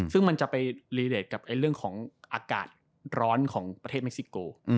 ซึ่งมันจะไปรีเดทกับเรื่องของอากาศร้อนของประเทศเม็กซิโก